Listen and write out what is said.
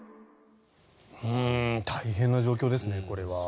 大変な状況ですねこれは。